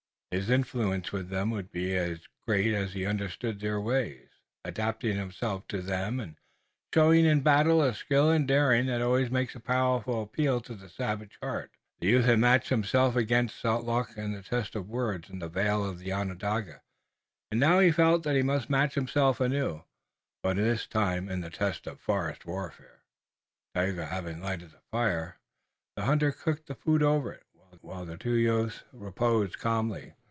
His influence with them would be great, as he understood their ways, adapted himself to them and showed in battle a skill and daring that always make a powerful appeal to the savage heart. The youth had matched himself against St. Luc in the test of words in the vale of Onondaga, and now he felt that he must match himself anew, but in the test of forest war. Tayoga having lighted the fire, the hunter cooked the food over it, while the two youths reposed calmly.